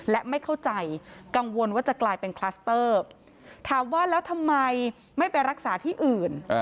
และไม่เข้าใจกังวลว่าจะกลายเป็นคลัสเตอร์ถามว่าแล้วทำไมไม่ไปรักษาที่อื่น